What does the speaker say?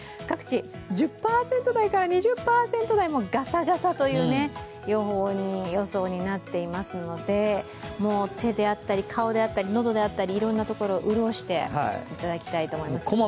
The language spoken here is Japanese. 各地１０％台から２０％台も、ガサガサという予想になっていますので手であったり顔であったり喉であったり、いろんなとこ潤していただきたいと思います。